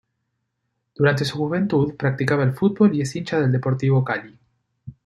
Durante su juventud practicaba el fútbol y es hincha del Deportivo Cali.